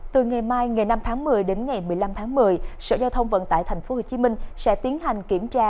từ ngày mai ngày năm tháng một mươi đến ngày một mươi năm tháng một mươi sở giao thông vận tải tp hcm sẽ tiến hành kiểm tra